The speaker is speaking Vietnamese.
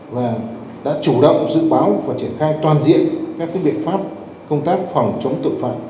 và đã chủ động dự báo và triển khai toàn diện các biện pháp công tác phòng chống tội phạm